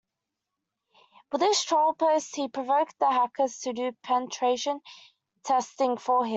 With his troll post he provoked the hackers to do penetration testing for him.